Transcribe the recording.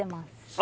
あ